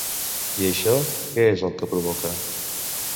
I això, què és el que provoca?